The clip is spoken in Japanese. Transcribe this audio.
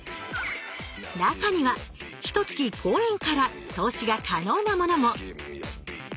中にはひと月５円から投資が可能なものも！